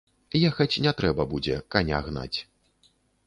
Ехаць не трэба будзе, каня гнаць.